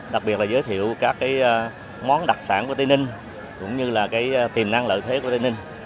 đặc biệt là giới thiệu các món đặc sản của tây ninh cũng như là tiềm năng lợi thế của tây ninh